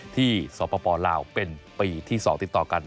ที่สปลาวเป็นปีที่๒ติดต่อกัน